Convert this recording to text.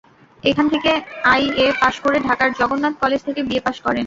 এখান থেকে IA pass করে ঢাকার জগন্নাথ কলেজ থেকে বিএ পাস করেন।